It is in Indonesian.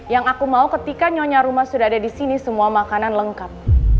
yang aku mau ketika nyonya rumah sudah ada di sini semua makanan lengkap